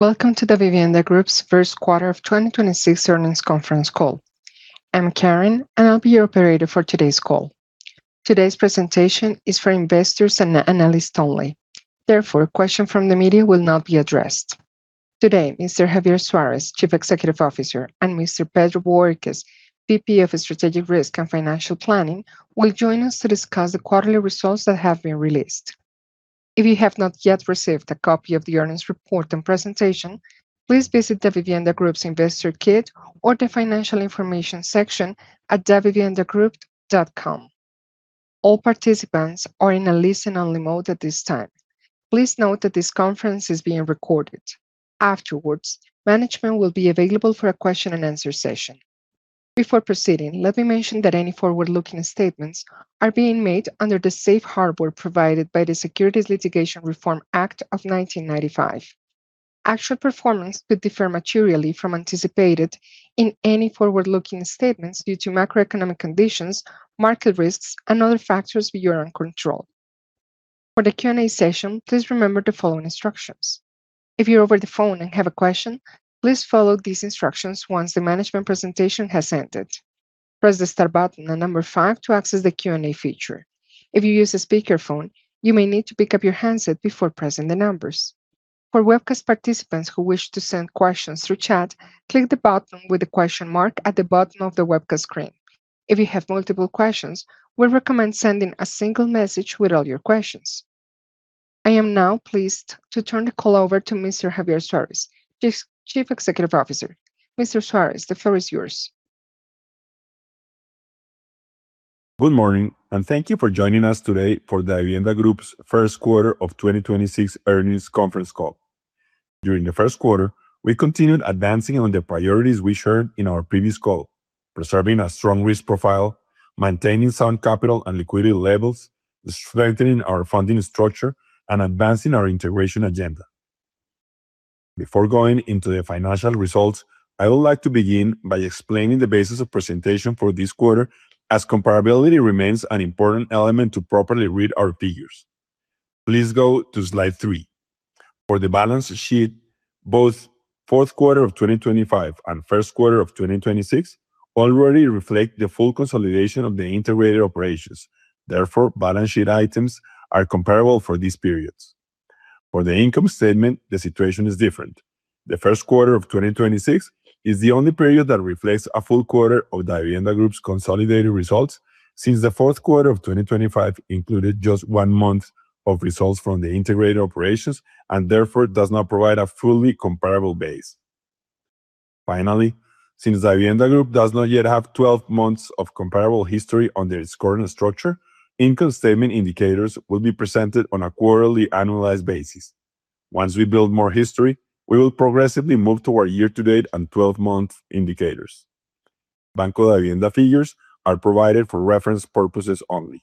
Welcome to Davivienda Group's first quarter of 2026 earnings conference call. I'm Karen, I'll be your operator for today's call. Today's presentation is for investors and analysts only. Therefore, question from the media will not be addressed. Today, Mr. Javier Suárez, Chief Executive Officer, and Mr. Pedro Bohórquez, VP of Strategic Risk and Financial Planning, will join us to discuss the quarterly results that have been released. If you have not yet received a copy of the earnings report and presentation, please visit Davivienda Group's investor kit or the financial information section at daviviendagroup.com. All participants are in a listen-only mode at this time. Please note that this conference is being recorded. Afterwards, management will be available for a question-and-answer session. Before proceeding, let me mention that any forward-looking statements are being made under the safe harbor provided by the Private Securities Litigation Reform Act of 1995. Actual performance could differ materially from anticipated in any forward-looking statements due to macroeconomic conditions, market risks, and other factors beyond our control. For the Q&A session, please remember the following instructions. If you're over the phone and have a question, please follow these instructions once the management presentation has ended. Press the star button and five to access the Q&A feature. If you use a speakerphone, you may need to pick up your handset before pressing the numbers. For webcast participants who wish to send questions through chat, click the button with the question mark at the bottom of the webcast screen. If you have multiple questions, we recommend sending a single message with all your questions. I am now pleased to turn the call over to Mr. Javier Suárez, the Chief Executive Officer. Mr. Suárez, the floor is yours. Good morning. Thank you for joining us today for Davivienda Group's 1st quarter of 2026 earnings conference call. During the 1st quarter, we continued advancing on the priorities we shared in our previous call, preserving a strong risk profile, maintaining sound capital and liquidity levels, strengthening our funding structure, and advancing our integration agenda. Before going into the financial results, I would like to begin by explaining the basis of presentation for this quarter, as comparability remains an important element to properly read our figures. Please go to slide 3. For the balance sheet, both 4th quarter of 2025 and 1st quarter of 2026 already reflect the full consolidation of the integrated operations. Therefore, balance sheet items are comparable for these periods. For the income statement, the situation is different. The first quarter of 2026 is the only period that reflects a full quarter of Davivienda Group's consolidated results, since the fourth quarter of 2025 included just 1 month of results from the integrated operations and therefore does not provide a fully comparable base. Finally, since Davivienda Group does not yet have 12 months of comparable history under its current structure, income statement indicators will be presented on a quarterly annualized basis. Once we build more history, we will progressively move to our year-to-date and 12-month indicators. Banco Davivienda figures are provided for reference purposes only.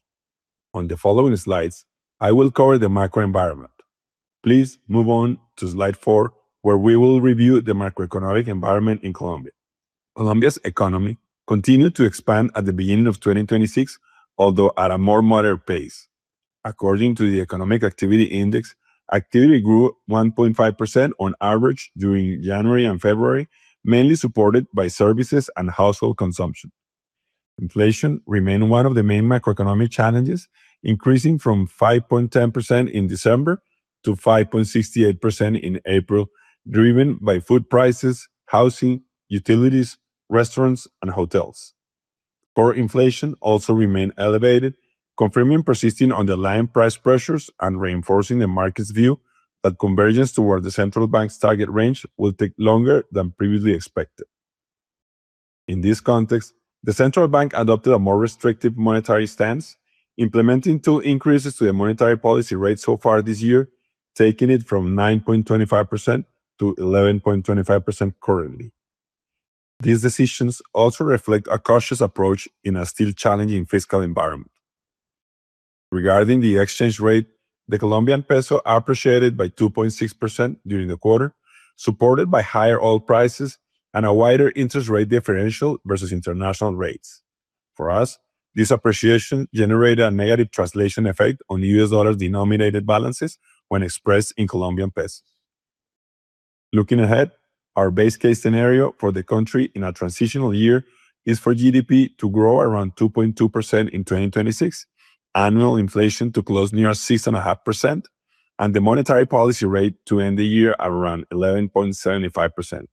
On the following slides, I will cover the macro environment. Please move on to slide 4, where we will review the macroeconomic environment in Colombia. Colombia's economy continued to expand at the beginning of 2026, although at a more moderate pace. According to the Economic Activity Index, activity grew 1.5% on average during January and February, mainly supported by services and household consumption. Inflation remained one of the main macroeconomic challenges, increasing from 5.10% in December to 5.68% in April, driven by food prices, housing, utilities, restaurants, and hotels. Core inflation also remained elevated, confirming persisting underlying price pressures and reinforcing the market's view that convergence toward the central bank's target range will take longer than previously expected. In this context, the central bank adopted a more restrictive monetary stance, implementing 2 increases to the monetary policy rate so far this year, taking it from 9.25% to 11.25% currently. These decisions also reflect a cautious approach in a still challenging fiscal environment. Regarding the exchange rate, the Colombian peso appreciated by 2.6% during the quarter, supported by higher oil prices and a wider interest rate differential versus international rates. For us, this appreciation generated a negative translation effect on U.S. dollar-denominated balances when expressed in Colombian pesos. Looking ahead, our base case scenario for the country in a transitional year is for GDP to grow around 2.2% in 2026, annual inflation to close near 6.5%, and the monetary policy rate to end the year around 11.75%.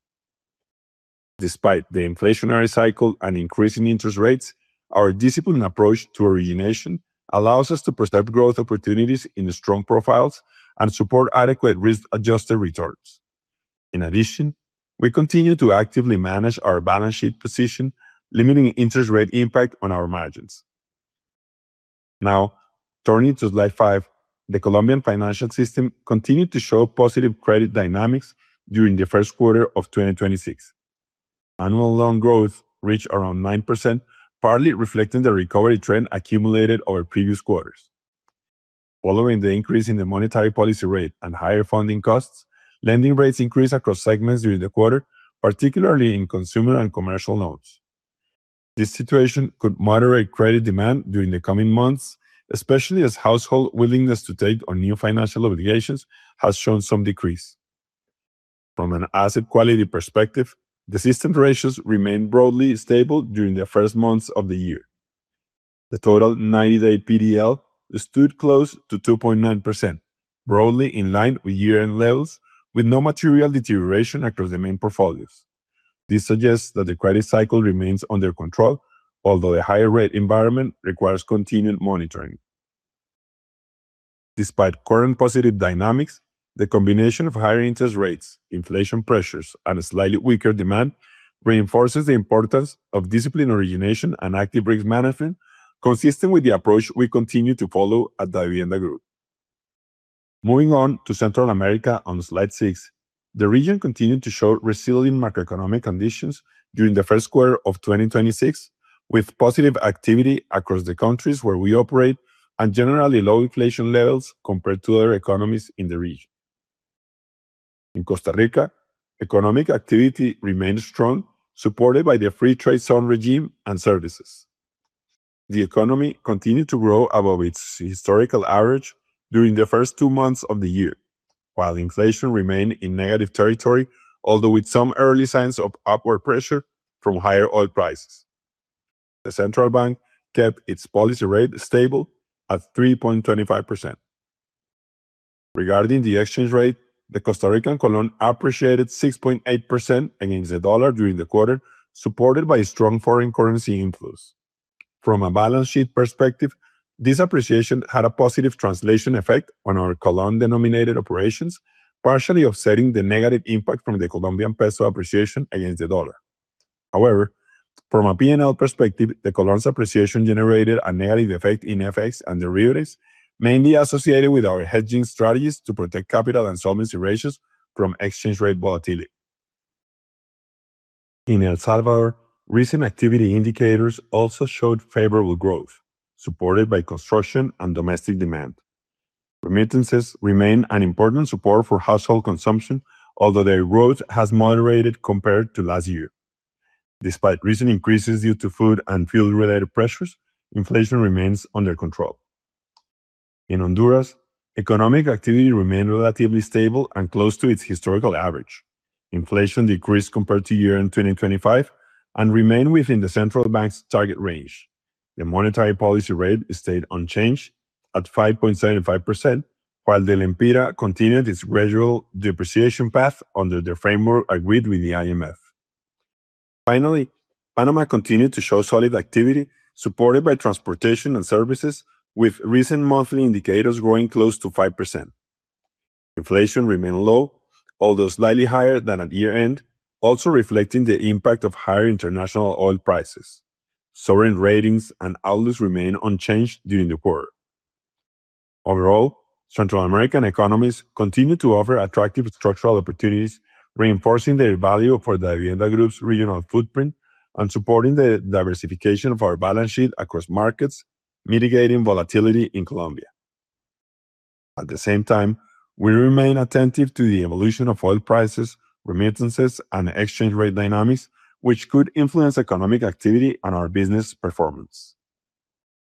Despite the inflationary cycle and increasing interest rates, our disciplined approach to origination allows us to preserve growth opportunities in the strong profiles and support adequate risk-adjusted returns. In addition, we continue to actively manage our balance sheet position, limiting interest rate impact on our margins. Turning to slide 5, the Colombian financial system continued to show positive credit dynamics during the 1st quarter of 2026. Annual loan growth reached around 9%, partly reflecting the recovery trend accumulated over previous quarters. Following the increase in the monetary policy rate and higher funding costs, lending rates increased across segments during the quarter, particularly in consumer and commercial loans. This situation could moderate credit demand during the coming months, especially as household willingness to take on new financial obligations has shown some decrease. From an asset quality perspective, the system ratios remain broadly stable during the 1st months of the year. The total 90-day PDL stood close to 2.9%, broadly in line with year-end levels, with no material deterioration across the main portfolios. This suggests that the credit cycle remains under control, although the higher rate environment requires continued monitoring. Despite current positive dynamics, the combination of higher interest rates, inflation pressures, and a slightly weaker demand reinforces the importance of disciplined origination and active risk management, consistent with the approach we continue to follow at Davivienda Group. Moving on to Central America on slide six, the region continued to show resilient macroeconomic conditions during the first quarter of 2026, with positive activity across the countries where we operate and generally low inflation levels compared to other economies in the region. In Costa Rica, economic activity remains strong, supported by the free trade zone regime and services. The economy continued to grow above its historical average during the first two months of the year, while inflation remained in negative territory, although with some early signs of upward pressure from higher oil prices. The central bank kept its policy rate stable at 3.25%. Regarding the exchange rate, the Costa Rican colon appreciated 6.8% against the USD during the quarter, supported by strong foreign currency inflows. From a balance sheet perspective, this appreciation had a positive translation effect on our colon-denominated operations, partially offsetting the negative impact from the Colombian peso appreciation against the USD. However, from a P&L perspective, the colon's appreciation generated a negative effect in FX and derivatives, mainly associated with our hedging strategies to protect capital and solvency ratios from exchange rate volatility. In El Salvador, recent activity indicators also showed favorable growth, supported by construction and domestic demand. Remittances remain an important support for household consumption, although their growth has moderated compared to last year. Despite recent increases due to food and fuel-related pressures, inflation remains under control. In Honduras, economic activity remained relatively stable and close to its historical average. Inflation decreased compared to year-end 2025 and remained within the central bank's target range. The monetary policy rate stayed unchanged at 5.75%, while the lempira continued its gradual depreciation path under the framework agreed with the IMF. Finally, Panama continued to show solid activity supported by transportation and services, with recent monthly indicators growing close to 5%. Inflation remained low, although slightly higher than at year-end, also reflecting the impact of higher international oil prices. Sovereign ratings and outlooks remain unchanged during the quarter. Overall, Central American economies continue to offer attractive structural opportunities, reinforcing their value for Davivienda Group's regional footprint and supporting the diversification of our balance sheet across markets, mitigating volatility in Colombia. At the same time, we remain attentive to the evolution of oil prices, remittances, and exchange rate dynamics, which could influence economic activity on our business performance.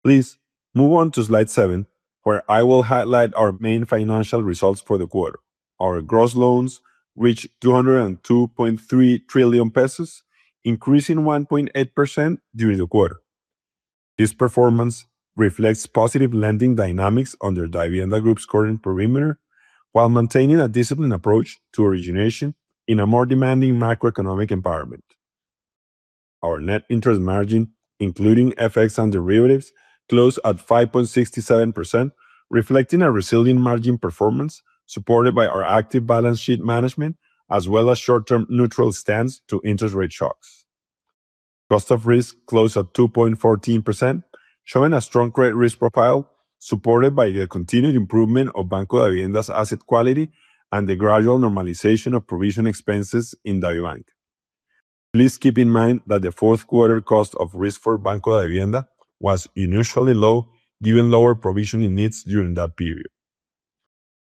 Please move on to slide seven, where I will highlight our main financial results for the quarter. Our gross loans reached COP 202.3 trillion, increasing 1.8% during the quarter. This performance reflects positive lending dynamics under Davivienda Group's current perimeter, while maintaining a disciplined approach to origination in a more demanding macroeconomic environment. Our net interest margin, including FX and derivatives, closed at 5.67%, reflecting a resilient margin performance supported by our active balance sheet management, as well as short-term neutral stance to interest rate shocks. cost of risk closed at 2.14%, showing a strong credit risk profile supported by the continued improvement of Banco Davivienda's asset quality and the gradual normalization of provision expenses in DAVIbank. Please keep in mind that the 4th quarter cost of risk for Banco Davivienda was unusually low, given lower provisioning needs during that period.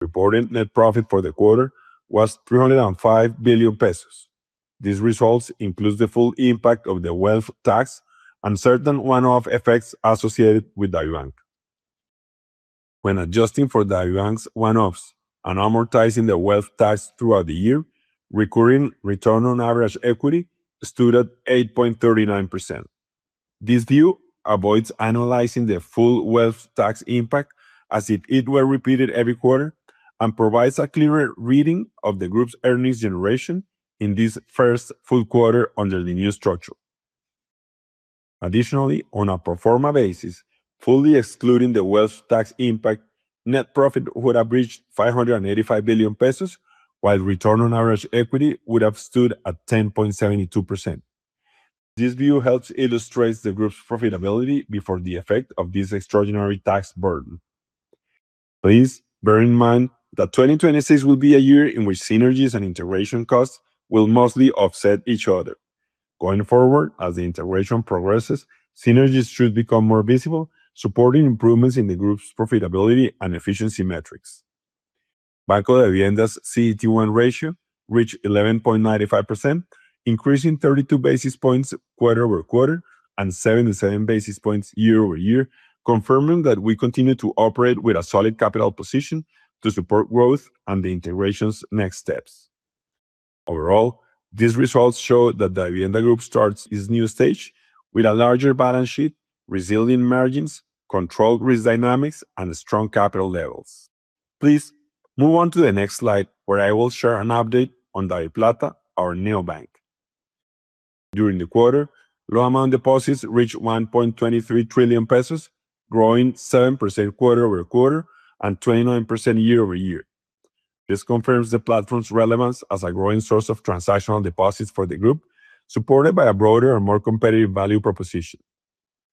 Reported net profit for the quarter was COP 305 billion. These results includes the full impact of the wealth tax and certain one-off effects associated with DAVIbank. When adjusting for DAVIbank's one-offs and amortizing the wealth tax throughout the year, recurring return on average equity stood at 8.39%. This view avoids analyzing the full wealth tax impact as if it were repeated every quarter and provides a clearer reading of the group's earnings generation in this first full quarter under the new structure. Additionally, on a pro forma basis, fully excluding the wealth tax impact, net profit would have reached COP 585 billion, while return on average equity would have stood at 10.72%. This view helps illustrates the group's profitability before the effect of this extraordinary tax burden. Please bear in mind that 2026 will be a year in which synergies and integration costs will mostly offset each other. Going forward, as the integration progresses, synergies should become more visible, supporting improvements in the group's profitability and efficiency metrics. Banco Davivienda's CET1 ratio reached 11.95%, increasing 32 basis points quarter-over-quarter and 77 basis points year-over-year, confirming that we continue to operate with a solid capital position to support growth and the integration's next steps. Overall, these results show that Davivienda Group starts its new stage with a larger balance sheet, resilient margins, controlled risk dynamics, and strong capital levels. Please move on to the next slide, where I will share an update on Daviplata, our neobank. During the quarter, low-amount deposits reached COP 1.23 trillion, growing 7% quarter-over-quarter and 29% year-over-year. This confirms the platform's relevance as a growing source of transactional deposits for the group, supported by a broader and more competitive value proposition.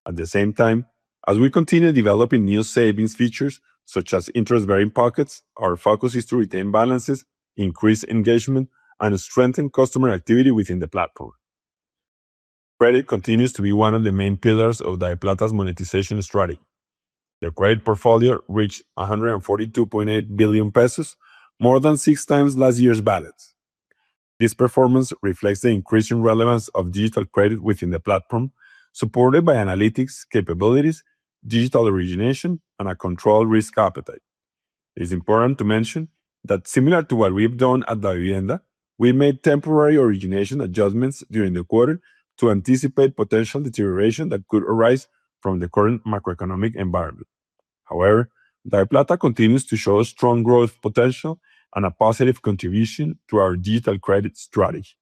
At the same time, as we continue developing new savings features, such as interest-bearing pockets, our focus is to retain balances, increase engagement, and strengthen customer activity within the platform. Credit continues to be one of the main pillars of DaviPlata's monetization strategy. The credit portfolio reached COP 142.8 billion, more than 6x last year's balance. This performance reflects the increasing relevance of digital credit within the platform, supported by analytics capabilities, digital origination, and a controlled risk appetite. It is important to mention that similar to what we've done at Davivienda, we made temporary origination adjustments during the quarter to anticipate potential deterioration that could arise from the current macroeconomic environment. However, DaviPlata continues to show strong growth potential and a positive contribution to our digital credit strategy.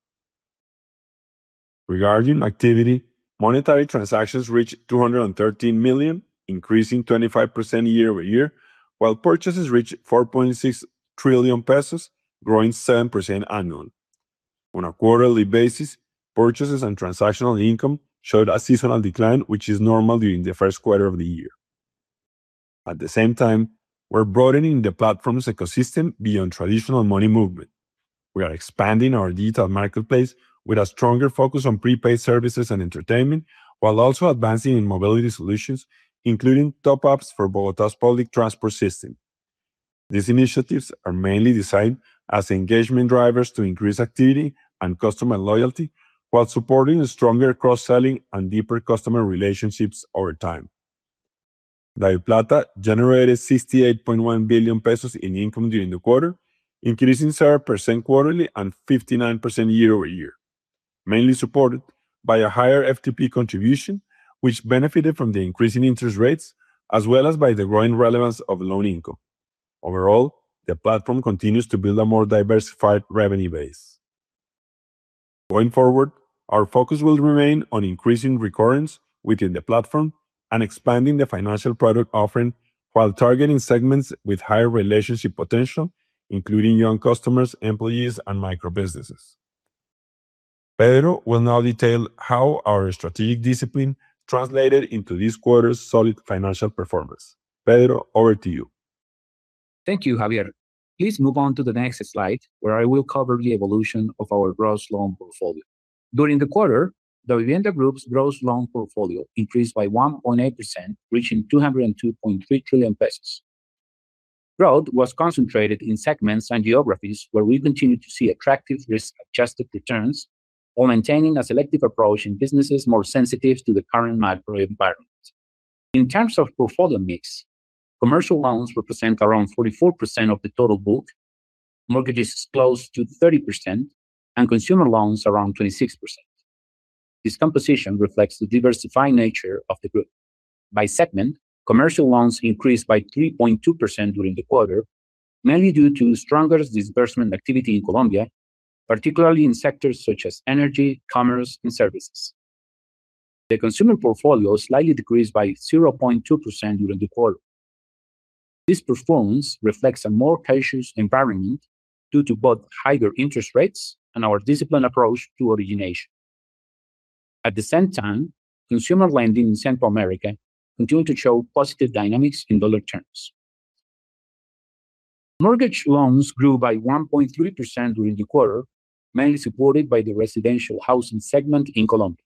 Regarding activity, monetary transactions reached 213 million, increasing 25% year-over-year, while purchases reached COP 4.6 trillion, growing 7% annually. On a quarterly basis, purchases and transactional income showed a seasonal decline, which is normal during the first quarter of the year. At the same time, we're broadening the platform's ecosystem beyond traditional money movement. We are expanding our digital marketplace with a stronger focus on prepaid services and entertainment, while also advancing in mobility solutions, including top-ups for Bogotá's public transport system. These initiatives are mainly designed as engagement drivers to increase activity and customer loyalty while supporting stronger cross-selling and deeper customer relationships over time. DaviPlata generated COP 68.1 billion in income during the quarter, increasing 0% quarterly and 59% year-over-year, mainly supported by a higher FTP contribution, which benefited from the increase in interest rates as well as by the growing relevance of loan income. Overall, the platform continues to build a more diversified revenue base. Going forward, our focus will remain on increasing recurrence within the platform and expanding the financial product offering while targeting segments with higher relationship potential, including young customers, employees, and micro-businesses. Pedro will now detail how our strategic discipline translated into this quarter's solid financial performance. Pedro, over to you. Thank you, Javier. Please move on to the next slide, where I will cover the evolution of our gross loan portfolio. During the quarter, Davivienda Group's gross loan portfolio increased by 1.8%, reaching COP 202.3 trillion. Growth was concentrated in segments and geographies where we continue to see attractive risk-adjusted returns while maintaining a selective approach in businesses more sensitive to the current macro environment. In terms of portfolio mix, commercial loans represent around 44% of the total book, mortgages close to 30%, and consumer loans around 26%. This composition reflects the diversified nature of the group. By segment, commercial loans increased by 3.2% during the quarter, mainly due to stronger disbursement activity in Colombia, particularly in sectors such as energy, commerce, and services. The consumer portfolio slightly decreased by 0.2% during the quarter. This performance reflects a more cautious environment due to both higher interest rates and our disciplined approach to origination. At the same time, consumer lending in Central America continued to show positive dynamics in dollar terms. Mortgage loans grew by 1.3% during the quarter, mainly supported by the residential housing segment in Colombia.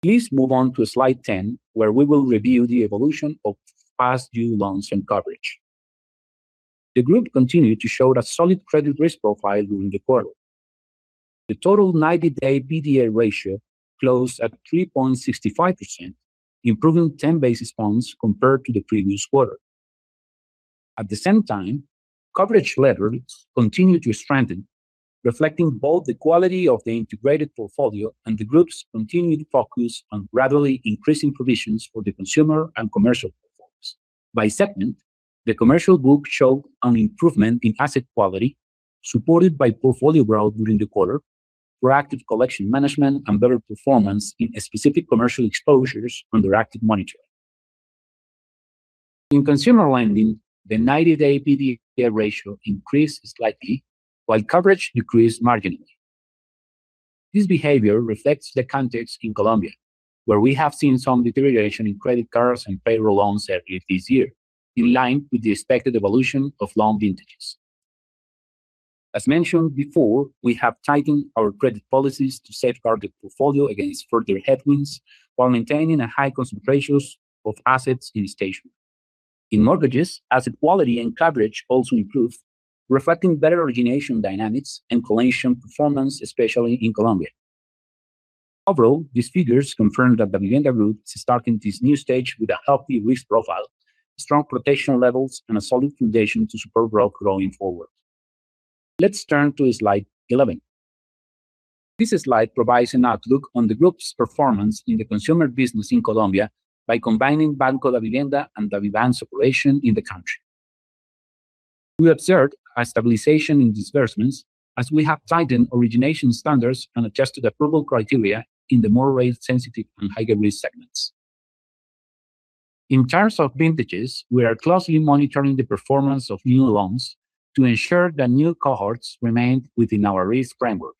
Please move on to slide 10, where we will review the evolution of past due loans and coverage. The group continued to show a solid credit risk profile during the quarter. The total 90-day PDL ratio closed at 3.65%, improving 10 basis points compared to the previous quarter. At the same time, coverage levels continued to strengthen, reflecting both the quality of the integrated portfolio and the group's continued focus on gradually increasing provisions for the consumer and commercial performance. By segment, the commercial book showed an improvement in asset quality supported by portfolio growth during the quarter, proactive collection management, and better performance in specific commercial exposures under active monitoring. In consumer lending, the 90-day PDL ratio increased slightly while coverage decreased marginally. This behavior reflects the context in Colombia, where we have seen some deterioration in credit cards and payroll loans earlier this year, in line with the expected evolution of loan vintages. As mentioned before, we have tightened our credit policies to safeguard the portfolio against further headwinds, while maintaining a high concentrations of assets in stage one. In mortgages, asset quality and coverage also improved, reflecting better origination dynamics and collection performance, especially in Colombia. Overall, these figures confirm that Davivienda Group is starting this new stage with a healthy risk profile, strong protection levels, and a solid foundation to support growth going forward. Let's turn to slide 11. This slide provides an outlook on the group's performance in the consumer business in Colombia by combining Banco Davivienda and DAVIbank's operation in the country. We observed a stabilization in disbursements as we have tightened origination standards and adjusted approval criteria in the more rate sensitive and higher risk segments. In terms of vintages, we are closely monitoring the performance of new loans to ensure that new cohorts remain within our risk framework.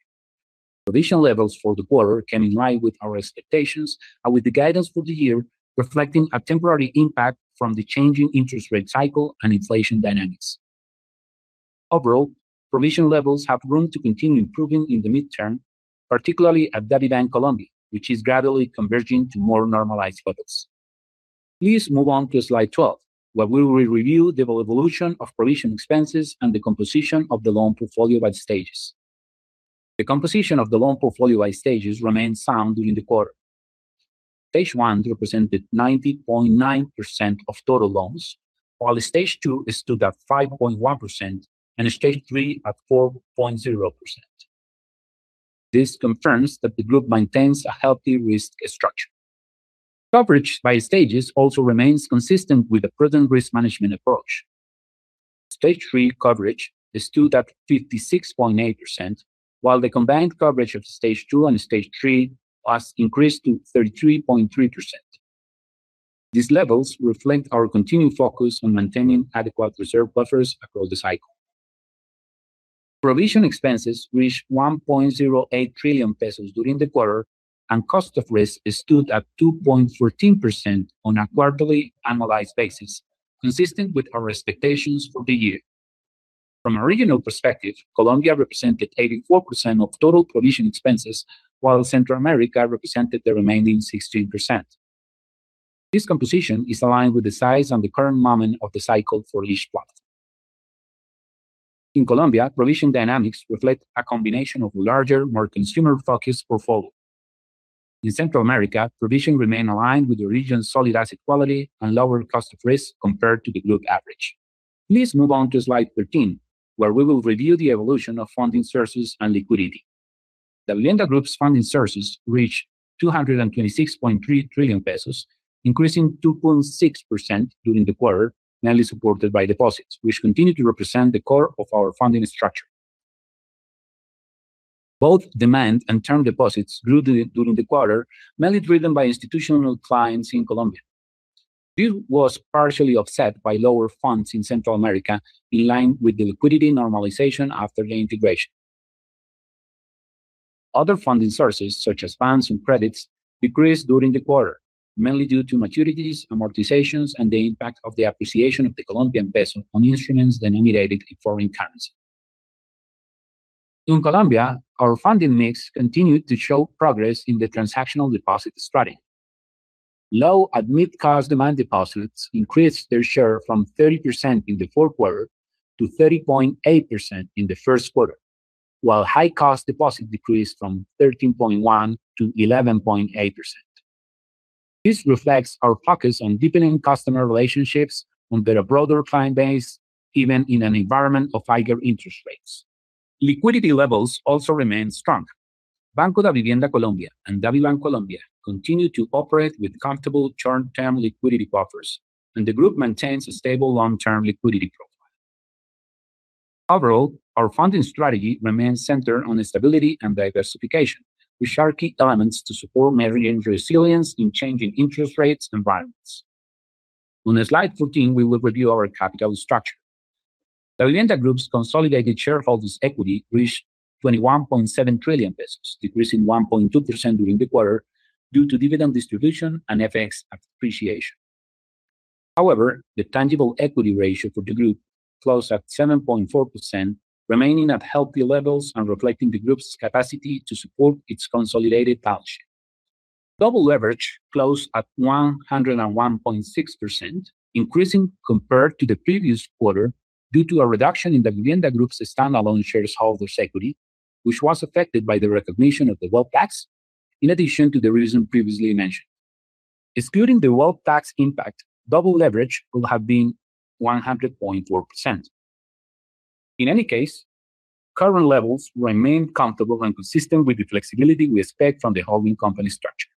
Provision levels for the quarter came in line with our expectations and with the guidance for the year, reflecting a temporary impact from the changing interest rate cycle and inflation dynamics. Overall, provision levels have room to continue improving in the midterm, particularly at DAVIbank Colombia, which is gradually converging to more normalized levels. Please move on to slide 12, where we will review the evolution of provision expenses and the composition of the loan portfolio by stages. The composition of the loan portfolio by stages remained sound during the quarter. Stage 1 represented 90.9% of total loans, while stage 2 stood at 5.1% and stage 3 at 4.0%. This confirms that the group maintains a healthy risk structure. Coverage by stages also remains consistent with the prudent risk management approach. Stage 3 coverage stood at 56.8%, while the combined coverage of stage 2 and stage 3 has increased to 33.3%. These levels reflect our continuing focus on maintaining adequate reserve buffers across the cycle. Provision expenses reached COP 1.08 trillion during the quarter. Cost of risk stood at 2.14% on a quarterly annualized basis, consistent with our expectations for the year. From a regional perspective, Colombia represented 84% of total provision expenses, while Central America represented the remaining 16%. This composition is aligned with the size and the current moment of the cycle for each spot. In Colombia, provision dynamics reflect a combination of larger, more consumer-focused portfolio. In Central America, provision remain aligned with the region's solid asset quality and lower cost of risk compared to the group average. Please move on to slide 13, where we will review the evolution of funding sources and liquidity. Davivienda Group's funding sources reached COP 226.3 trillion, increasing 2.6% during the quarter, mainly supported by deposits, which continue to represent the core of our funding structure. Both demand and term deposits grew during the quarter, mainly driven by institutional clients in Colombia. This was partially offset by lower funds in Central America, in line with the liquidity normalization after the integration. Other funding sources, such as bonds and credits, decreased during the quarter, mainly due to maturities, amortizations, and the impact of the appreciation of the Colombian peso on instruments denominated in foreign currency. In Colombia, our funding mix continued to show progress in the transactional deposit strategy. Low-cost demand deposits increased their share from 30% in the fourth quarter to 30.8% in the first quarter, while high-cost deposit decreased from 13.1% to 11.8%. This reflects our focus on deepening customer relationships on the broader client base, even in an environment of higher interest rates. Liquidity levels also remain strong. Banco Davivienda Colombia and DAVIbank Colombia continue to operate with comfortable short-term liquidity buffers, and the group maintains a stable long-term liquidity profile. Overall, our funding strategy remains centered on stability and diversification, which are key elements to support managing resilience in changing interest rates environments. On slide 14, we will review our capital structure. Davivienda Group's consolidated shareholders' equity reached COP 21.7 trillion, decreasing 1.2% during the quarter due to dividend distribution and FX appreciation. However, the tangible equity ratio for the Group closed at 7.4%, remaining at healthy levels and reflecting the Group's capacity to support its consolidated balance sheet. Double leverage closed at 101.6%, increasing compared to the previous quarter due to a reduction in Davivienda Group's standalone shareholders' equity, which was affected by the recognition of the wealth tax, in addition to the reason previously mentioned. Excluding the wealth tax impact, double leverage would have been 100.4%. In any case, current levels remain comfortable and consistent with the flexibility we expect from the holding company structure.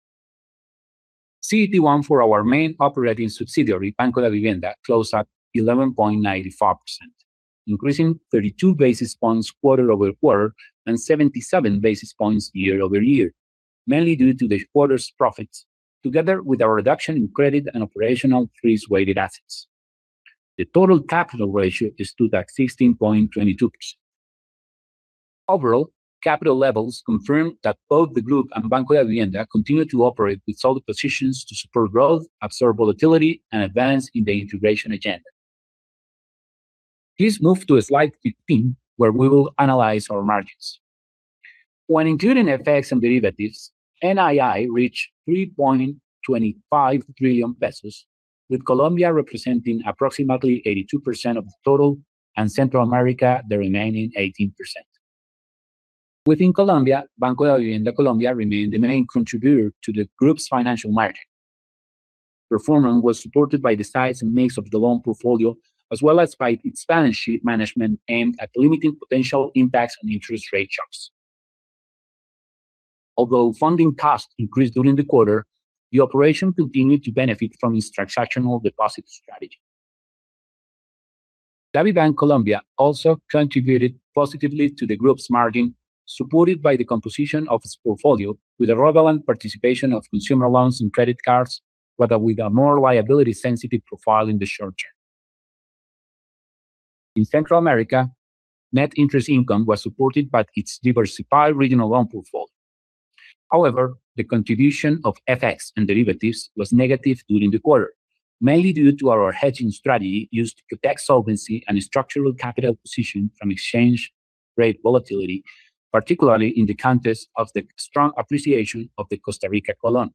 CET1 for our main operating subsidiary, Banco Davivienda, closed at 11.95%, increasing 32 basis points quarter-over-quarter and 77 basis points year-over-year, mainly due to the quarter's profits together with a reduction in credit and operational risk-weighted assets. The total capital ratio stood at 16.22%. Overall, capital levels confirm that both the group and Banco Davivienda continue to operate with solid positions to support growth, absorb volatility, and advance in the integration agenda. Please move to slide 15, where we will analyze our margins. When including FX and derivatives, NII reached COP 3.25 trillion, with Colombia representing approximately 82% of the total and Central America the remaining 18%. Within Colombia, Banco Davivienda Colombia remained the main contributor to the group's financial margin. Performance was supported by the size and mix of the loan portfolio, as well as by its balance sheet management aimed at limiting potential impacts on interest rate shocks. Although funding costs increased during the quarter, the operation continued to benefit from its transactional deposit strategy. DAVIbank Colombia also contributed positively to the group's margin, supported by the composition of its portfolio with a relevant participation of consumer loans and credit cards, but with a more liability-sensitive profile in the short term. In Central America, net interest income was supported by its diversified regional loan portfolio. However, the contribution of FX and derivatives was negative during the quarter, mainly due to our hedging strategy used to protect solvency and structural capital position from exchange rate volatility, particularly in the context of the strong appreciation of the Costa Rican colon.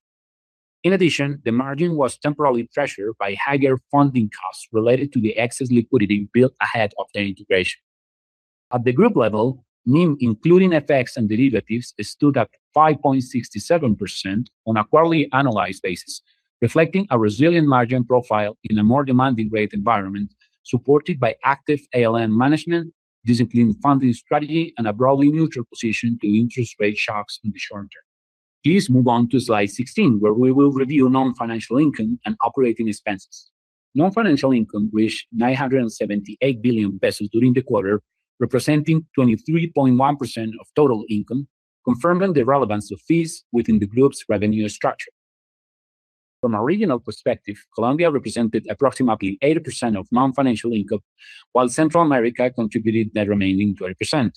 In addition, the margin was temporarily pressured by higher funding costs related to the excess liquidity built ahead of the integration. At the group level, NIM including FX and derivatives stood at 5.67% on a quarterly annualized basis, reflecting a resilient margin profile in a more demanding rate environment supported by active ALM management, disciplined funding strategy, and a broadly neutral position to interest rate shocks in the short term. Please move on to slide 16, where we will review non-financial income and operating expenses. Non-financial income reached COP 978 billion during the quarter, representing 23.1% of total income, confirming the relevance of fees within the group's revenue structure. From a regional perspective, Colombia represented approximately 80% of non-financial income, while Central America contributed the remaining 20%.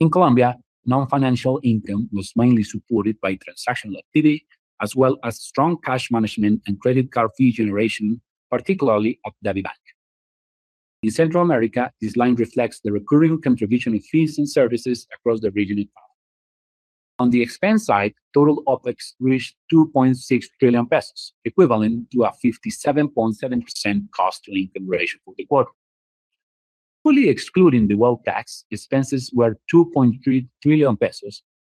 In Colombia, non-financial income was mainly supported by transactional activity as well as strong cash management and credit card fee generation, particularly of DAVIbank. In Central America, this line reflects the recurring contribution of fees and services across the region and product. On the expense side, total OpEx reached COP 2.6 trillion, equivalent to a 57.7% cost to income ratio for the quarter. Fully excluding the wealth tax, expenses were COP 2.3 trillion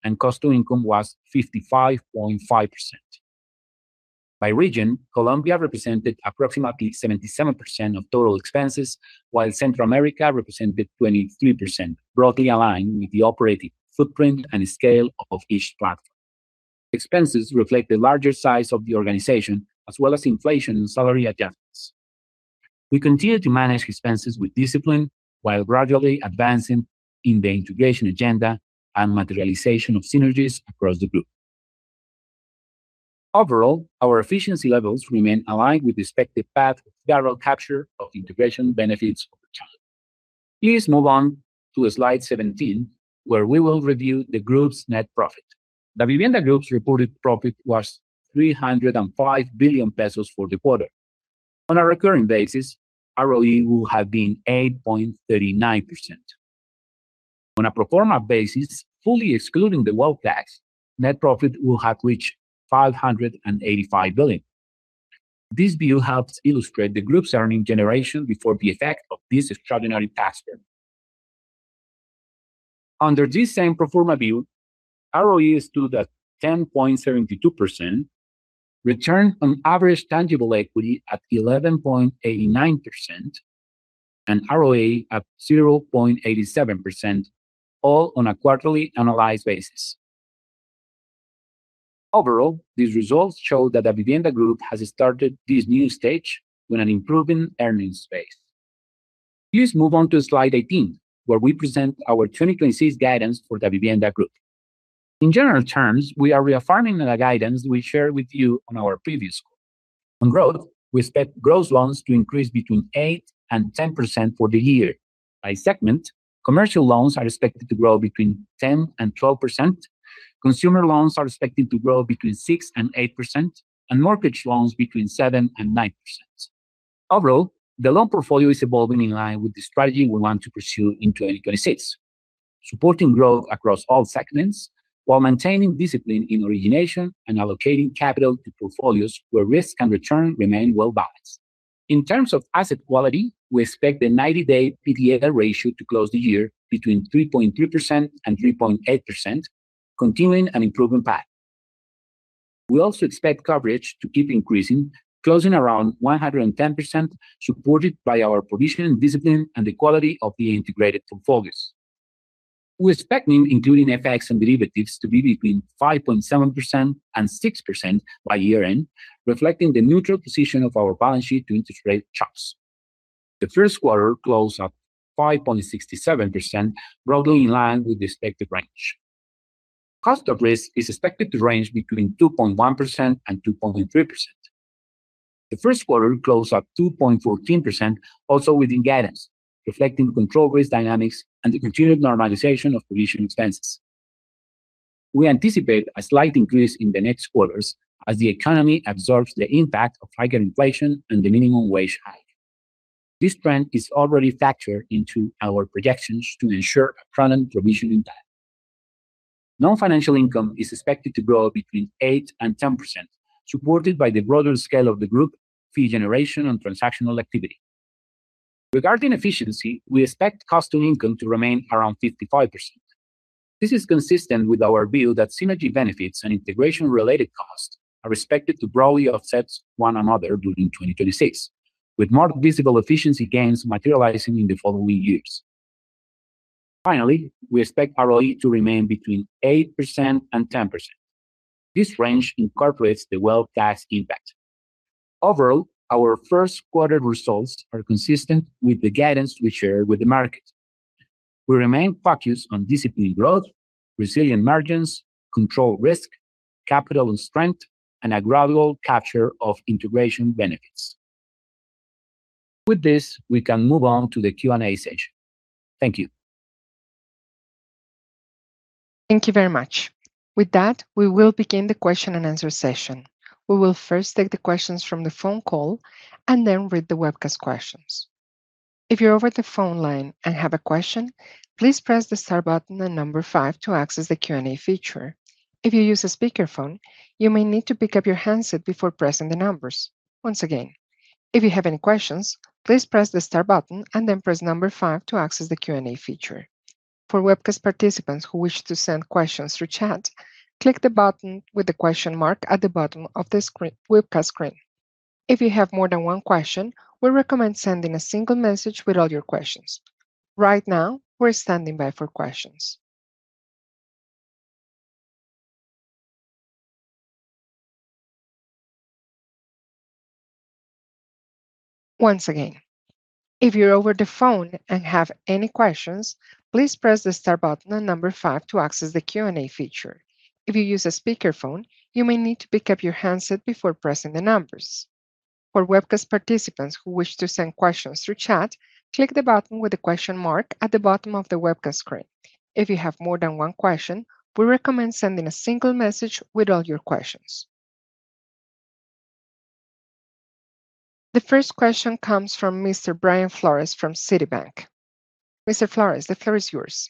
and cost to income was 55.5%. By region, Colombia represented approximately 77% of total expenses, while Central America represented 23%, broadly aligned with the operating footprint and scale of each platform. Expenses reflect the larger size of the organization as well as inflation and salary adjustments. We continue to manage expenses with discipline while gradually advancing in the integration agenda and materialization of synergies across the group. Overall, our efficiency levels remain aligned with the expected path of value capture of integration benefits over time. Please move on to slide 17, where we will review the group's net profit. Davivienda Group's reported profit was COP 305 billion for the quarter. On a recurring basis, ROE would have been 8.39%. On a pro forma basis, fully excluding the wealth tax, net profit would have reached COP 585 billion. This view helps illustrate the group's earning generation before the effect of this extraordinary tax bill. Under this same pro forma view, ROE stood at 10.72%, return on average tangible equity at 11.89%, and ROA at 0.87%, all on a quarterly annualized basis. Overall, these results show that Davivienda Group has started this new stage with an improving earnings base. Please move on to slide 18, where we present our 2026 guidance for Davivienda Group. In general terms, we are reaffirming the guidance we shared with you on our previous call. On growth, we expect gross loans to increase between 8-10% for the year. By segment, commercial loans are expected to grow between 10-12%, consumer loans are expected to grow between 6-8%, and mortgage loans between 7%-9%. Overall, the loan portfolio is evolving in line with the strategy we want to pursue in 2026, supporting growth across all segments while maintaining discipline in origination and allocating capital to portfolios where risk and return remain well balanced. In terms of asset quality, we expect the 90-day PDL ratio to close the year between 3.3%-3.8%, continuing an improving path. We also expect coverage to keep increasing, closing around 110%, supported by our position and discipline and the quality of the integrated portfolios. We expect NIM including FX and derivatives to be between 5.7%-6% by year-end, reflecting the neutral position of our balance sheet to interest rate shocks. The 1st quarter closed at 5.67%, broadly in line with the expected range. Cost of risk is expected to range between 2.1% and 2.3%. The first quarter closed up 2.14%, also within guidance, reflecting controlled risk dynamics and the continued normalization of provision expenses. We anticipate a slight increase in the next quarters as the economy absorbs the impact of higher inflation and the minimum wage hike. This trend is already factored into our projections to ensure a prudent provision impact. Non-financial income is expected to grow between 8% and 10%, supported by the broader scale of the group fee generation and transactional activity. Regarding efficiency, we expect cost to income to remain around 55%. This is consistent with our view that synergy benefits and integration related costs are expected to broadly offset one another during 2026, with more visible efficiency gains materializing in the following years. Finally, we expect ROE to remain between 8% and 10%. This range incorporates the wealth tax impact. Overall, our first quarter results are consistent with the guidance we share with the market. We remain focused on disciplined growth, resilient margins, controlled risk, capital and strength, and a gradual capture of integration benefits. With this, we can move on to the Q&A session. Thank you. Thank you very much. With that, we will begin the question and answer session. We will first take the questions from the phone call and then read the webcast questions. If you're over the phone line and have a question, please press the star button and number five to access the Q&A feature. If you use a speakerphone, you may need to pick up your handset before pressing the numbers. Once again, if you have any questions, please press the star button and then press number five to access the Q&A feature. For webcast participants who wish to send questions through chat, click the button with the question mark at the bottom of the screen, webcast screen. If you have more than one question, we recommend sending a single message with all your questions. Right now, we're standing by for questions. Once again, if you're over the phone and have any questions, please press the star button and number five to access the Q&A feature. If you use a speakerphone, you may need to pick up your handset before pressing the numbers. For webcast participants who wish to send questions through chat, click the button with the question mark at the bottom of the webcast screen. If you have more than one question, we recommend sending a single message with all your questions. The first question comes from Mr. Brian Flores from Citibank. Mr. Flores, the floor is yours.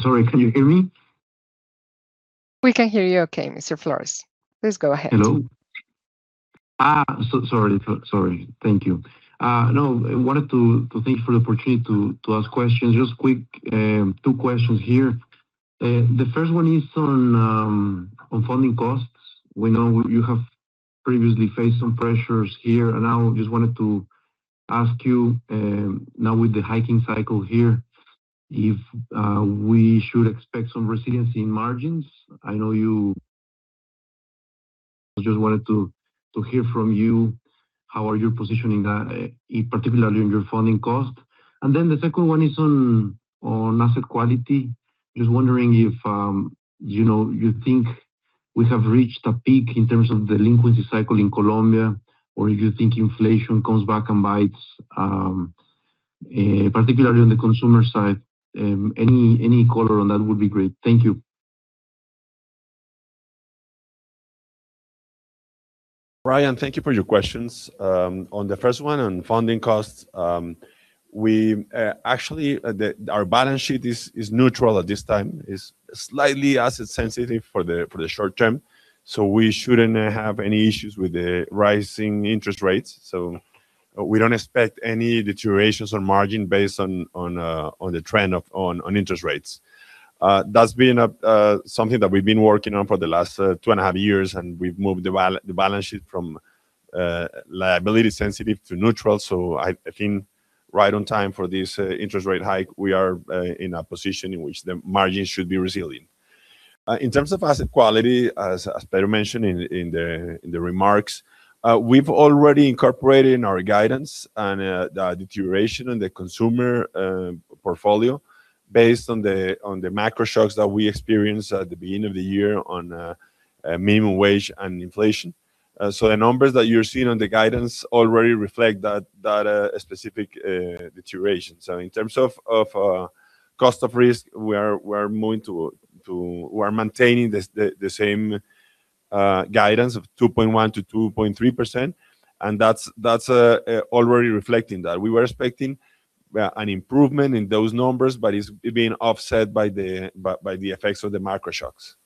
Sorry, can you hear me? We can hear you okay, Mr. Flores. Please go ahead. Hello. So sorry. Thank you. No, I wanted to thank you for the opportunity to ask questions. Just quick, 2 questions here. The first one is on funding costs. We know you have previously faced some pressures here. I just wanted to ask you, now with the hiking cycle here, if we should expect some resiliency in margins. I know you just wanted to hear from you how are you positioning that, in particularly in your funding cost. The second one is on asset quality. Just wondering if, you know, you think we have reached a peak in terms of delinquency cycle in Colombia, or if you think inflation comes back and bites, particularly on the consumer side. Any color on that would be great. Thank you. Brian, thank you for your questions. On the 1st one, on funding costs, actually, our balance sheet is neutral at this time. It's slightly asset sensitive for the short term, we shouldn't have any issues with the rising interest rates. We don't expect any deteriorations on margin based on the trend of interest rates. That's been something that we've been working on for the last 2.5 years, and we've moved the balance sheet from liability sensitive to neutral. I think right on time for this interest rate hike, we are in a position in which the margins should be resilient. In terms of asset quality, as Pedro mentioned in the remarks, we've already incorporated in our guidance the deterioration in the consumer portfolio based on the macro shocks that we experienced at the beginning of the year on minimum wage and inflation. The numbers that you're seeing on the guidance already reflect that specific deterioration. In terms of cost of risk, we are maintaining the same guidance of 2.1%-2.3%, already reflecting that. We were expecting an improvement in those numbers, but it's being offset by the effects of the macro shocks.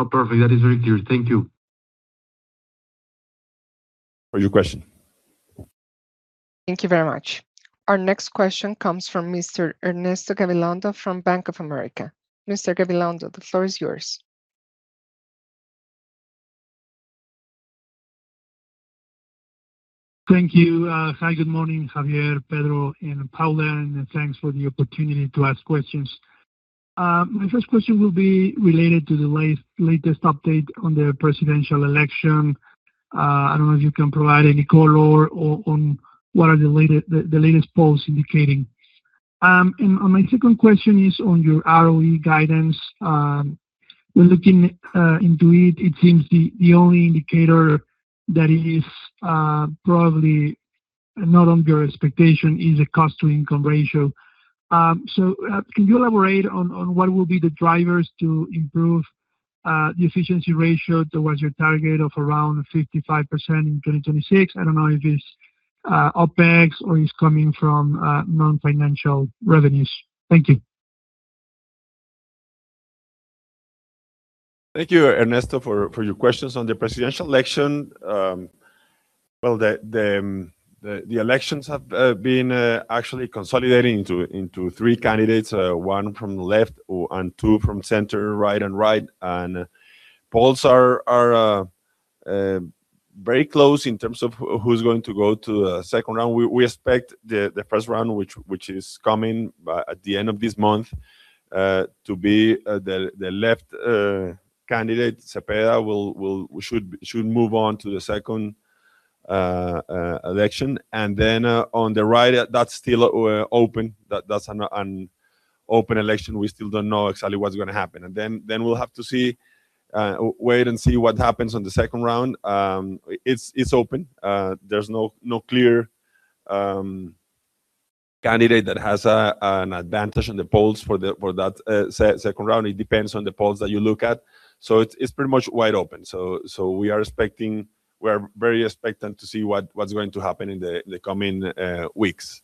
Oh, perfect. That is very clear. Thank you. For your question. Thank you very much. Our next question comes from Mr. Ernesto Gabilondo from Bank of America. Mr. Gabilondo, the floor is yours. Thank you. Hi, good morning, Javier, Pedro, and [Paula], and thanks for the opportunity to ask questions. My first question will be related to the latest update on the presidential election. I don't know if you can provide any color or, on what are the latest polls indicating. My second question is on your ROE guidance. When looking into it seems the only indicator that is probably not on your expectation is the cost to income ratio. Can you elaborate on what will be the drivers to improve the efficiency ratio towards your target of around 55% in 2026? I don't know if it's OpEx or it's coming from non-financial revenues. Thank you. Thank you, Ernesto, for your questions. On the presidential election, well, the elections have actually been consolidating into three candidates, one from left and two from center, right and right. Polls are very close in terms of who's going to go to second round. We expect the first round, which is coming by at the end of this month, to be the left candidate, [Gustavo], should move on to the second election. Then on the right, that's still open. That's an open election. We still don't know exactly what's gonna happen. Then we'll have to see, wait and see what happens on the second round. It's open. There's no clear candidate that has an advantage in the polls for that second round. It depends on the polls that you look at. It's pretty much wide open. We are very expectant to see what's going to happen in the coming weeks.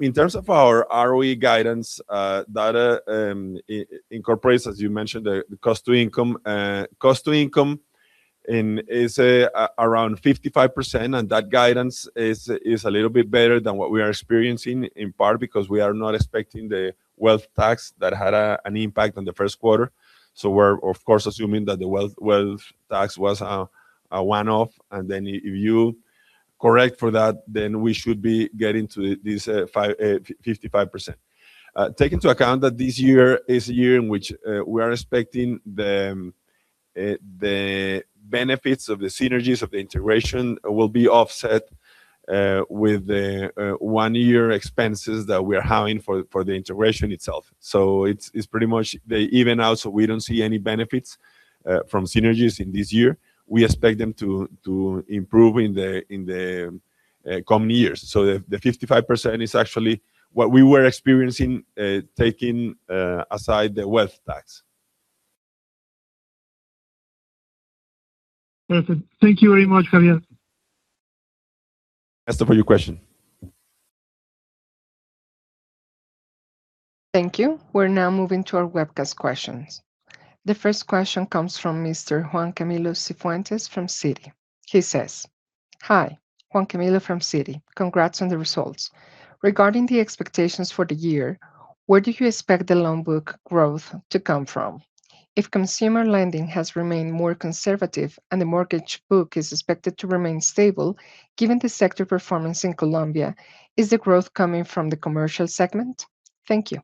In terms of our ROE guidance, data incorporates, as you mentioned, the cost to income. Cost to income is around 55%, that guidance is a little bit better than what we are experiencing, in part because we are not expecting the wealth tax that had an impact on the 1st quarter. We're of course assuming that the wealth tax was a one-off. If you correct for that, then we should be getting to this 55%. Take into account that this year is a year in which we are expecting the benefits of the synergies of the integration will be offset with the one year expenses that we are having for the integration itself. It's pretty much they even out, so we don't see any benefits from synergies in this year. We expect them to improve in the coming years. The 55% is actually what we were experiencing, taking aside the wealth tax. Perfect. Thank you very much, Javier. Ernesto, for your question. Thank you. We're now moving to our webcast questions. The first question comes from Mr. Juan Camilo Cifuentes from Citi. He says, "Hi, Juan Camilo from Citi. Congrats on the results. Regarding the expectations for the year, where do you expect the loan book growth to come from? If consumer lending has remained more conservative and the mortgage book is expected to remain stable, given the sector performance in Colombia, is the growth coming from the commercial segment? Thank you.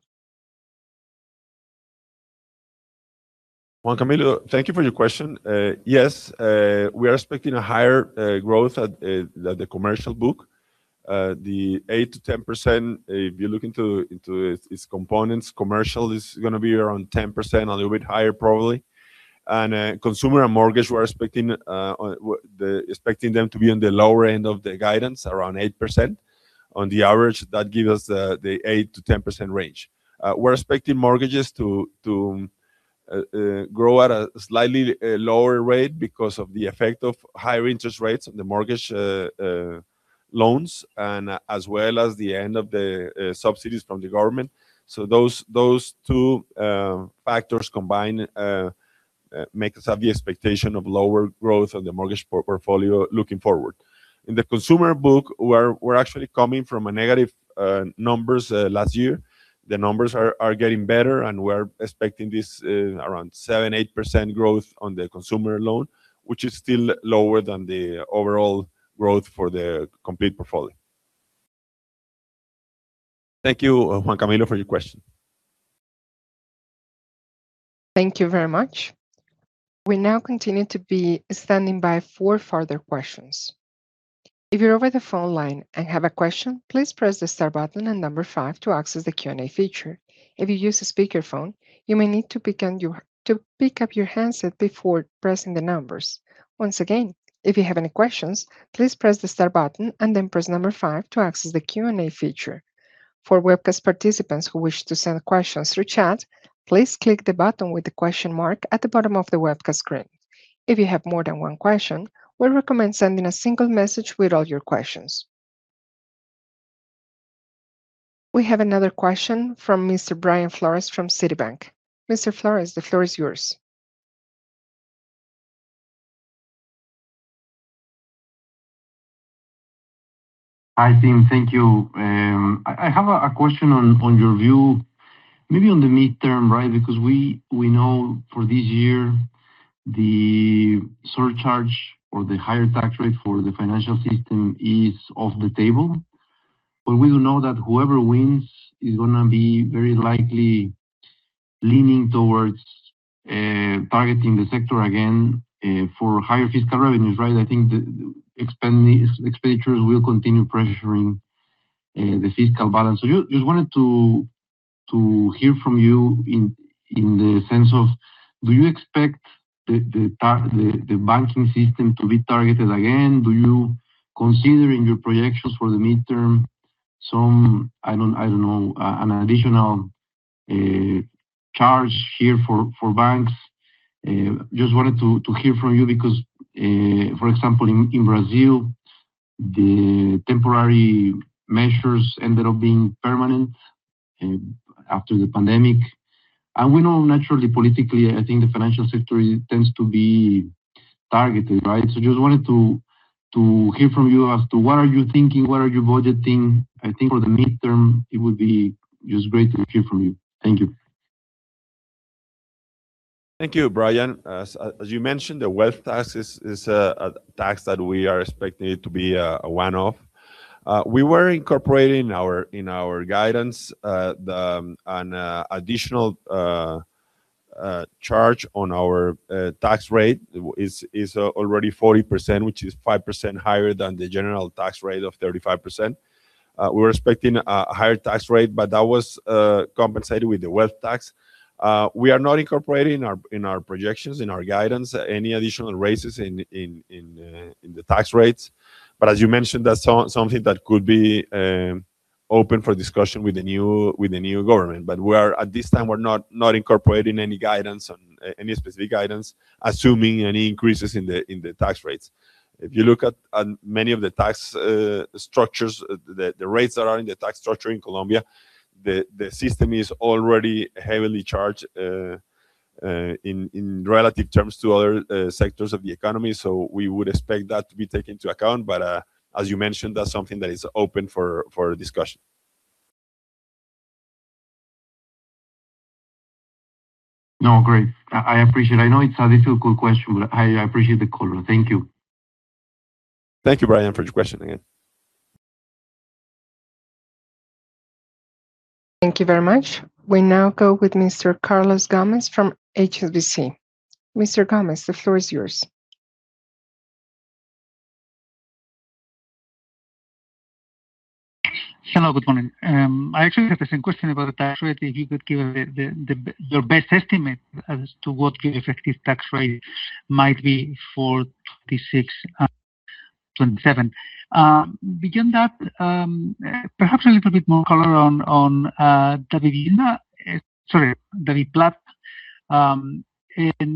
Juan Camilo, thank you for your question. Yes, we are expecting a higher growth at the commercial book. The 8%-10%, if you look into its components, commercial is gonna be around 10%, a little bit higher probably. Consumer and mortgage, we're expecting them to be on the lower end of the guidance, around 8%. On the average, that give us the 8%-10% range. We're expecting mortgages to grow at a slightly lower rate because of the effect of higher interest rates on the mortgage loans and as well as the end of the subsidies from the government. Those two factors combined make us have the expectation of lower growth on the mortgage portfolio looking forward. In the consumer book, we're actually coming from a negative numbers last year. The numbers are getting better, and we're expecting this around 7%-8% growth on the consumer loan, which is still lower than the overall growth for the complete portfolio. Thank you, Juan Camilo, for your question. Thank you very much. We now continue to be standing by for further questions. If you're over the phone line and have a question, please press the star button and number five to access the Q&A feature. If you use a speakerphone, you may need to pick up your handset before pressing the numbers. Once again, if you have any questions, please press the star button and then press number five to access the Q&A feature. For webcast participants who wish to send questions through chat, please click the button with the question mark at the bottom of the webcast screen. If you have more than one question, we recommend sending a single message with all your questions. We have another question from Mr. Brian Flores from Citibank. Mr. Flores, the floor is yours. Hi, team. Thank you. I have a question on your view, maybe on the midterm, right? We know for this year the surcharge or the higher tax rate for the financial system is off the table. We do know that whoever wins is gonna be very likely leaning towards targeting the sector again for higher fiscal revenues, right? I think the expanding expenditures will continue pressuring the fiscal balance. Just wanted to hear from you in the sense of do you expect the banking system to be targeted again? Do you consider in your projections for the midterm some, I don't know, an additional charge here for banks? Just wanted to hear from you because, for example, in Brazil, the temporary measures ended up being permanent after the pandemic. We know naturally politically, I think the financial sector tends to be targeted, right? Just wanted to hear from you as to what are you thinking, what are you budgeting. I think for the midterm it would be just great to hear from you. Thank you. Thank you, Brian. As you mentioned, the wealth tax is a tax that we are expecting it to be a one-off. We were incorporating in our guidance an additional charge on our tax rate is already 40%, which is 5% higher than the general tax rate of 35%. We're expecting a higher tax rate, but that was compensated with the wealth tax. We are not incorporating in our projections, in our guidance, any additional raises in the tax rates. As you mentioned, that's something that could be open for discussion with the new government. We are at this time, we're not incorporating any specific guidance, assuming any increases in the tax rates. If you look at many of the tax structures, the rates that are in the tax structure in Colombia, the system is already heavily charged in relative terms to other sectors of the economy. We would expect that to be taken into account. As you mentioned, that is something that is open for discussion. Great. I appreciate. I know it's a difficult question, but I appreciate the call. Thank you. Thank you, Brian, for your question again. Thank you very much. We now go with Mr. Carlos Gomez-Lopez from HSBC. Mr. Gomez, the floor is yours. Hello, good morning. I actually have the same question about the tax rate. If you could give the your best estimate as to what the effective tax rate might be for 2026 and 2027. Beyond that, perhaps a little bit more color on Davivienda Sorry, DaviPlata, and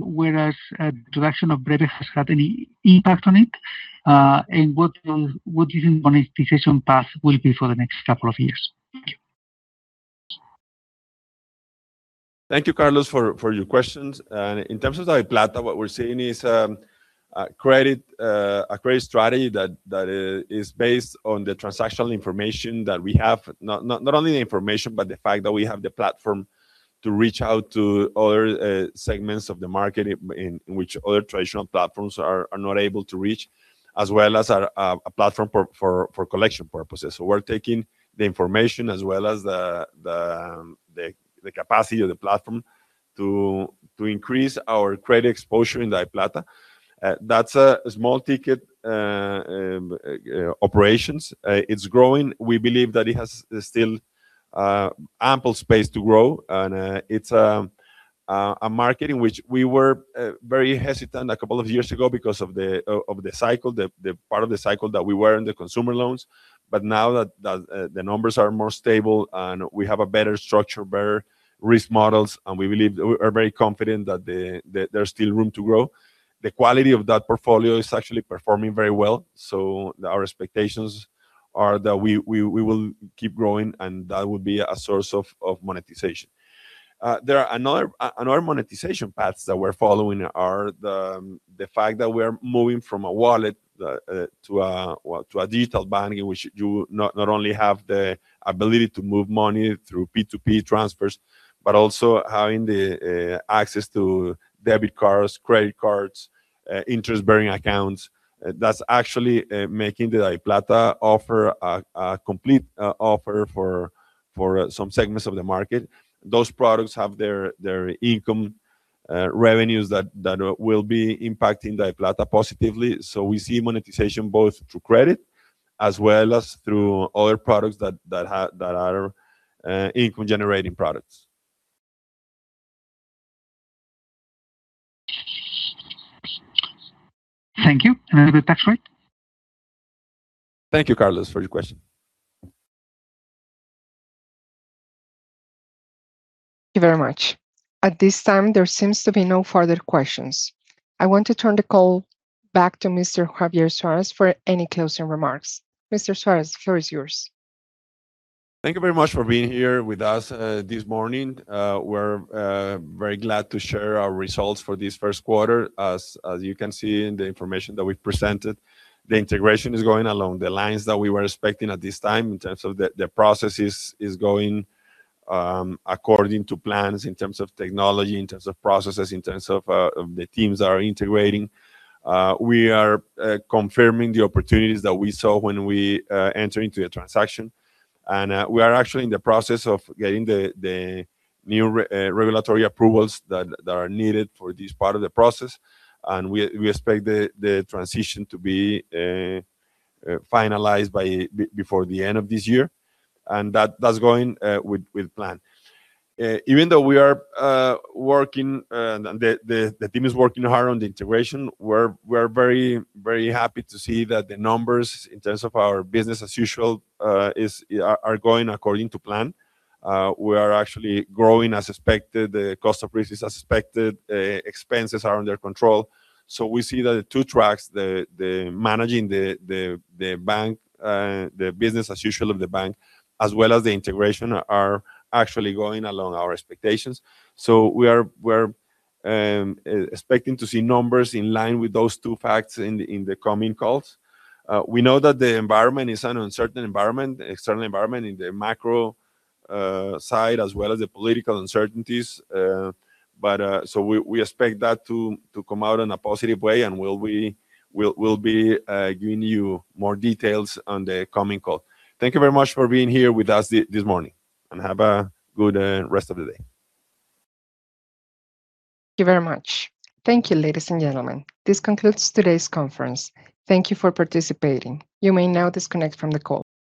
whereas the direction of [Bre-B] has had any impact on it, and what do you think monetization path will be for the next couple of years? Thank you. Thank you, Carlos, for your questions. In terms of DaviPlata, what we're seeing is a credit strategy that is based on the transactional information that we have. Not only the information, but the fact that we have the platform to reach out to other segments of the market in which other traditional platforms are not able to reach, as well as a platform for collection purposes. We're taking the information as well as the capacity of the platform to increase our credit exposure in DaviPlata. That's a small ticket operations. It's growing. We believe that it has still ample space to grow. It's a market in which we were very hesitant a couple of years ago because of the cycle, the part of the cycle that we were in the consumer loans. Now that the numbers are more stable and we have a better structure, better risk models, and we believe we are very confident that there's still room to grow. The quality of that portfolio is actually performing very well. Our expectations are that we will keep growing, and that would be a source of monetization. There are another monetization paths that we're following are the fact that we're moving from a wallet to a digital banking, which you not only have the ability to move money through P2P transfers, but also having the access to debit cards, credit cards, interest-bearing accounts. That's actually making the DaviPlata offer a complete offer for some segments of the market. Those products have their income revenues that will be impacting DaviPlata positively. We see monetization both through credit as well as through other products that are income-generating products. Thank you. The tax rate? Thank you, Carlos, for your question. Thank you very much. At this time, there seems to be no further questions. I want to turn the call back to Mr. Javier Suárez for any closing remarks. Mr. Suárez, the floor is yours. Thank you very much for being here with us this morning. We're very glad to share our results for this first quarter. As you can see in the information that we presented, the integration is going along the lines that we were expecting at this time in terms of the processes is going according to plans in terms of technology, in terms of processes, in terms of the teams that are integrating. We are confirming the opportunities that we saw when we enter into the transaction. We are actually in the process of getting the new regulatory approvals that are needed for this part of the process. We expect the transition to be finalized before the end of this year, that's going with plan. Even though we are working, the team is working hard on the integration, we're very happy to see that the numbers in terms of our business as usual are going according to plan. We are actually growing as expected. The cost of risk is as expected. Expenses are under control. We see that the two tracks, the managing the bank, the business as usual of the bank, as well as the integration are actually going along our expectations. We're expecting to see numbers in line with those two facts in the coming calls. We know that the environment is an uncertain environment, external environment in the macro side, as well as the political uncertainties. We expect that to come out in a positive way, and we'll be giving you more details on the coming call. Thank you very much for being here with us this morning, and have a good rest of the day. Thank you very much. Thank you, ladies and gentlemen. This concludes today's conference. Thank you for participating. You may now disconnect from the call.